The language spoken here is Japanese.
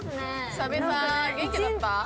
久々元気だった？